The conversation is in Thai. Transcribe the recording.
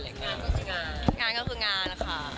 งานก็คืองานงานก็คืองานค่ะ